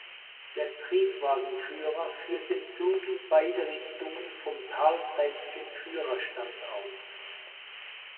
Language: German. Der Triebwagenführer führt den Zug in beide Richtungen vom talseitigen Führerstand aus.